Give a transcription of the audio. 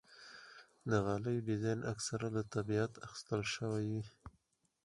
د غالۍ ډیزاین اکثره له طبیعت اخیستل شوی وي.